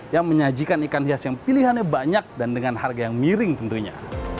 yang menyajikan ikan hias yang pilihannya banyak dan dengan harga yang miring tentunya